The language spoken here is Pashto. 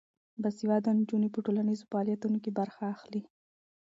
باسواده نجونې په ټولنیزو فعالیتونو کې برخه اخلي.